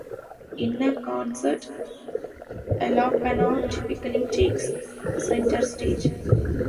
In a concert, alapana typically takes center stage.